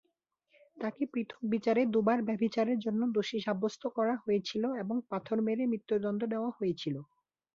তাকে পৃথক বিচারে দুবার ব্যভিচারের জন্য দোষী সাব্যস্ত করা হয়েছিল এবং পাথর মেরে মৃত্যুদণ্ড দেওয়া হয়েছিল।